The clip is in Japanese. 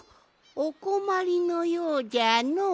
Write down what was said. おこまりのようじゃのう。